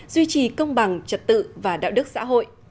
duy trì công bằng trật tự và đạo đức xã hội